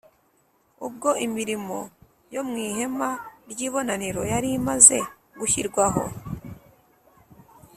Ubwo imirimo yo mu ihema ry’ibonaniro yari imaze gushyirwaho